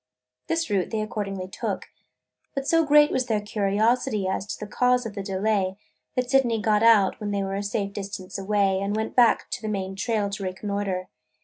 This route they accordingly took. But so great was their curiosity as to the cause of the delay, that Sydney got out, when they were a safe distance away, and went back on the main trail to reconnoiter.